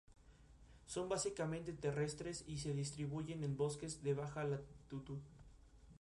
Esta localidad se encuentra perfectamente comunicada debido a la cercanía con Málaga capital.